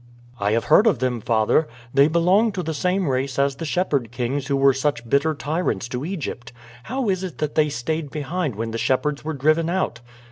"I have heard of them, father. They belong to the same race as the shepherd kings who were such bitter tyrants to Egypt. How is it that they stayed behind when the shepherds were driven out?"